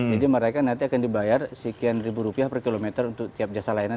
jadi mereka nanti akan dibayar sekian ribu rupiah per kilometer untuk tiap jasa layanan